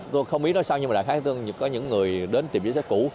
tôi không biết nói sao nhưng mà đại khái tôi có những người đến tìm giấy sách cũ